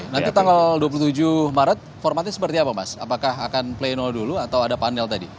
nanti tanggal dua puluh tujuh maret formatnya seperti apa mas apakah akan pleno dulu atau ada panel tadi